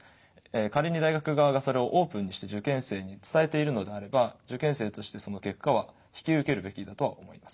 仮に大学側がそれをオープンにして受験生に伝えているのであれば受験生としてその結果は引き受けるべきだとは思います。